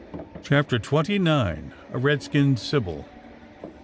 CHAPTER TWENTY NINE. A RED SKINNED SIBYL.